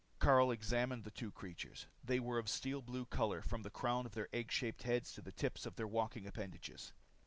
Karyl examined the two creatures. They were of the steel blue color from the crown of their egg shaped heads to the tips of their walking appendages.